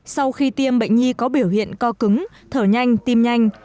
sau khi tiêm bệnh nhi có biểu hiện co cứng thở nhanh tim nhanh